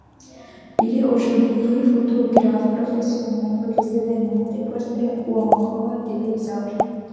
Il est aujourd’hui photographe professionnel pour des événements, des portraits ou encore des paysages.